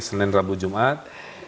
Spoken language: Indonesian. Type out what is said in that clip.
senin rabu jumat